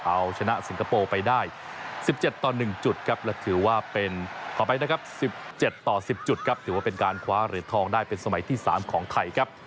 เอาชนะสิงคโปร์ไปได้๑๗ต่อ๑๐จุดถือว่าเป็นการขวาเหรียญทองได้ที่๓ของไทยครับ